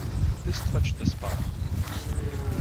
This touched the spot.